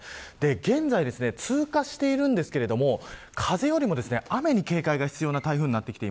現在、通過しているんですが風よりも雨に警戒が必要な台風です。